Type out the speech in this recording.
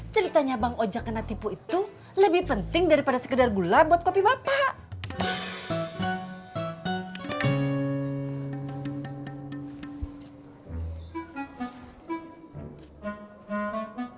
ceritanya bang oja kena tipu itu lebih penting daripada sekedar gula buat kopi bapak